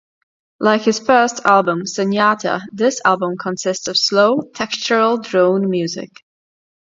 Like his first album "Sunyata", this album consists of slow, textural drone music.